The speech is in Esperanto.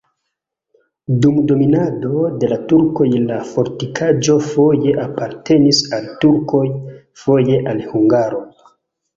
Dum dominado de la turkoj la fortikaĵo foje apartenis al turkoj, foje al hungaroj.